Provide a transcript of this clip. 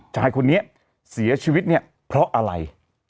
ชายคนนี้เสียชีวิตเนี่ยเพราะอะไร